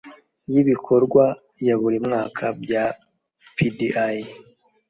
Y ibikorwa ya buri mwaka bya pdi